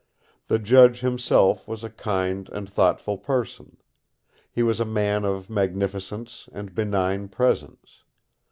The judge himself was a kind and thoughtful person. He was a man of magnificent and benign presence.